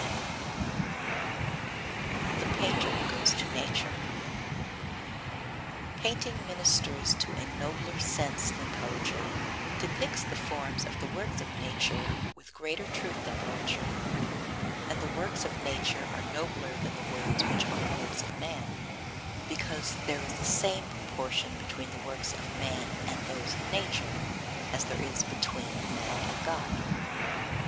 [Sidenote: The Painter goes to Nature] 11. Painting ministers to a nobler sense than poetry, depicts the forms of the works of nature with greater truth than poetry; and the works of nature are nobler than the words which are the works of man, because there is the same proportion between the works of man and those of nature as there is between man and God.